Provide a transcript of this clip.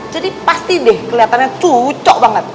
jadi pasti deh keliatannya cocok banget